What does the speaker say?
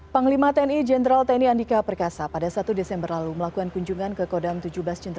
panglima tni jenderal tni andika perkasa pada satu desember lalu melakukan kunjungan ke kodam tujuh belas cender